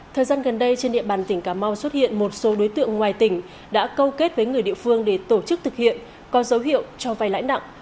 thời gian gần đây trên địa bàn tỉnh cà mau xuất hiện một số đối tượng ngoài tỉnh đã câu kết với người địa phương để tổ chức thực hiện có dấu hiệu cho vay lãi nặng